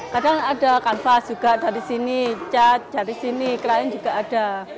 kadang ada kanvas juga dari sini cat dari sini klien juga ada